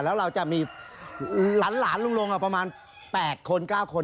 แล้วเราจะมีหลานลุงลงประมาณ๘คน๙คน